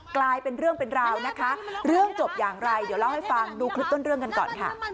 กลายเป็นเรื่องเป็นราวนะคะเรื่องจบอย่างไรเดี๋ยวเล่าให้ฟังดูคลิปต้นเรื่องกันก่อนค่ะ